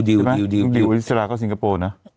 ดิวอิสระก็สิงคโปร์นะ